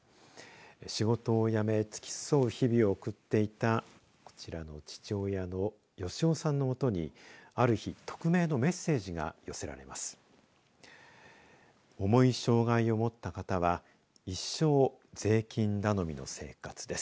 仕事を辞め付き添う日々を送っていたこちらの父親の義生さんの元にある日匿名のメッセージが寄せられます。